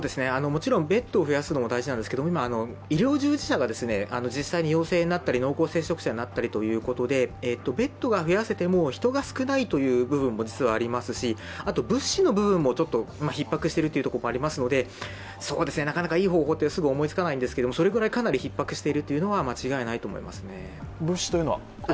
もちろんベッドを増やすのも大事なんですが、今、医療従事者が濃厚接触者になったりということでベッドが増やせても人が少ないという部分も実はありますし、物資の部分もひっ迫しているところがあるのでなかなかいい方法って思いつかないんですけどそれだけひっ迫していることは間違いないと思いますね。